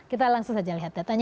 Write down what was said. kita langsung saja lihat datanya